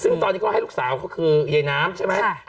ซึ่งตอนนี้ก็ให้ลูกสาวก็คือยายน้ำใช่ไหม